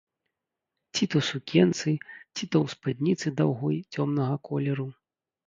Ці то сукенцы, ці то ў спадніцы даўгой цёмнага колеру.